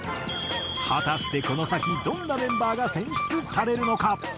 果たしてこの先どんなメンバーが選出されるのか。